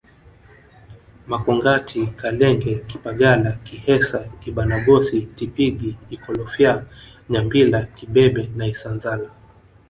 Makongati Kalenga kipagala kihesa Ibanagosi Tipingi Ikolofya Nyambila kibebe na Isanzala